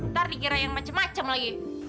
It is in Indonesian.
ntar dikira yang macem macem lagi